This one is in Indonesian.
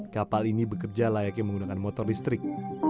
kapal ini bekerja layaknya menggunakan motor listrik